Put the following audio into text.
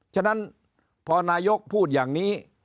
ฉะนั้นพอนายกพูดอย่างนี้